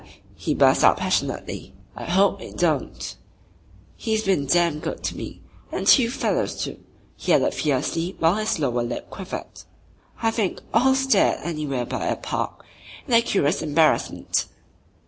he burst out passionately: "I hope it don't. He's been damn good to me and to you fellows too," he added fiercely, while his lower lip quivered. I think all stared anywhere but at Park, in a curious embarrassment.